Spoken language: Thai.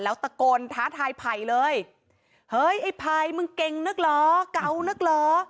แล้วตะโกนท้าทายไผ่เลยเฮ้ยไอ้ไผ่มึงเก่งนึกเหรอเก่านึกเหรอ